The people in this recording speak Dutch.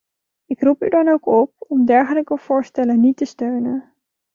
Ik roep u dan ook op om dergelijke voorstellen niet te steunen.